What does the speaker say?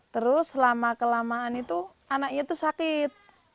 terus selama kelamaan itu anaknya itu sakit